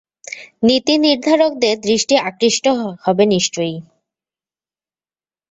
নীতিনির্ধারকদের দৃষ্টি আকৃষ্ট হবে নিশ্চয়ই।